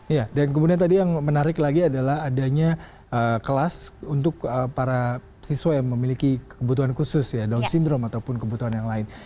iya dan kemudian tadi yang menarik lagi adalah adanya kelas untuk para siswa yang memiliki kebutuhan khusus ya down syndrome ataupun kebutuhan yang lain